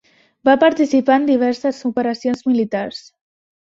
Va participar en diverses operacions militars.